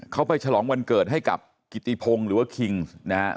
เขาไปฉลองวันเกิดให้กับกิติพงศ์หรือว่าคิงนะฮะ